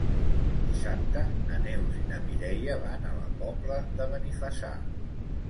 Dissabte na Neus i na Mireia van a la Pobla de Benifassà.